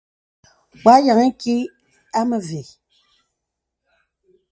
Wɔ̄ a yìaŋə ìkì a mə ve.